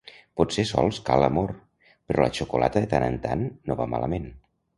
Potser sols cal amor, però la xocolata de tant en tant, no va malament.